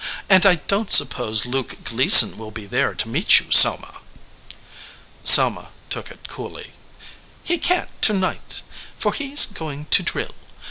"And I don t suppose Luke Gleason will be there to meet you, Selma." Selma took it coolly. "He can t to night, for he s going to drill.